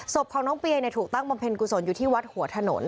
ศพของน้องเปียถูกตั้งบำเพ็ญกุศลอยู่ที่วัดหัวถนน